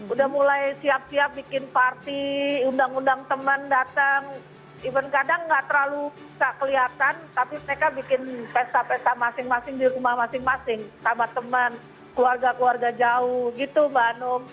udah mulai siap siap bikin party undang undang teman datang even kadang nggak terlalu bisa kelihatan tapi mereka bikin pesta pesta masing masing di rumah masing masing sama teman keluarga keluarga jauh gitu mbak anum